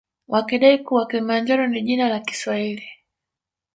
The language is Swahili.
Wakidai kuwa kilimanjaro ni jina la kiswahili